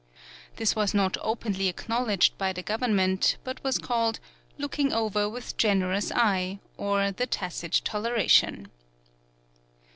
This was not openly acknowledged by the government, but was called "looking over with generous eye," or the tacit toleration.